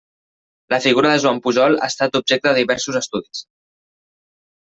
La figura de Joan Pujol ha estat objecte de diversos estudis.